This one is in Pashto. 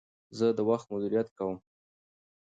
زه د وخت مدیریت کوم.